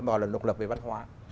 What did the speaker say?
mà là độc lập về văn hóa